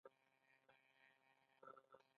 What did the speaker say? ګلاب د مینې د اظهار غوره لاره ده.